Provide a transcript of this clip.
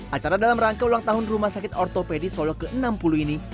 acara dalam rangka ulang tahun rumah sakit ortopedi solo ke enam puluh ini